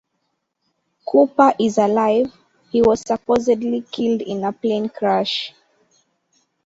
Cooper is alive; he was supposedly killed in a plane crash.